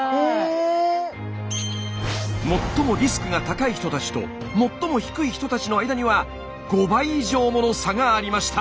最もリスクが高い人たちと最も低い人たちの間には５倍以上もの差がありました。